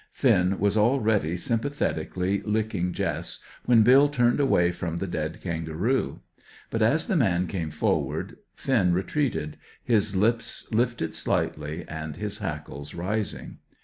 Finn was already sympathetically licking Jess when Bill turned away from the dead kangaroo; but, as the man came forward, Finn retreated, his lips lifted slightly, and his hackles rising.